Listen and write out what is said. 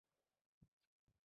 কিছু তো বলেন!